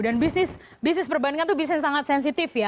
dan bisnis perbankan itu bisnis yang sangat sensitif ya